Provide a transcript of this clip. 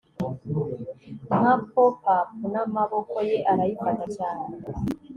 Nka popup namaboko ye arayifata cyane